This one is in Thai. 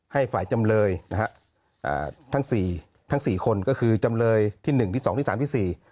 ให้ฝ่ายจำเลยทั้ง๔คนก็คือจำเลยที่๑ที่๒ที่๓ที่๔